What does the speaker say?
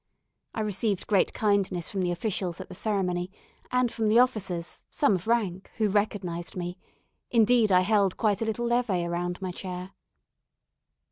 I received great kindness from the officials at the ceremony, and from the officers some of rank who recognised me; indeed, I held quite a little levée around my chair.